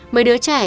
mấy đứa trẻ